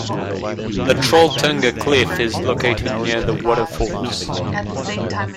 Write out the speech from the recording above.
The Trolltunga cliff is located near the waterfalls.